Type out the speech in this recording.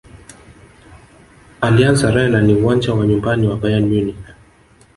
allianz arena ni uwanja wa nyumbani wa bayern munich